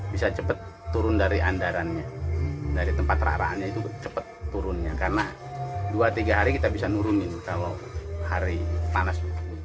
bisa cepat turun dari andarannya dari tempat terarahannya itu cepat turunnya karena dua tiga hari kita bisa nurunin kalau hari panas